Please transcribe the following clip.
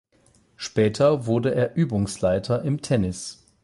Später wurde er Übungsleiter im Tennis.